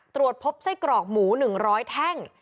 ตรวจพบไส้กรอกหมู๑๐๐แท่ง